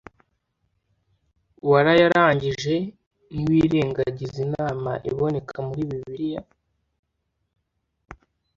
warayarangije Niwirengagiza inama iboneka muri Bibiliya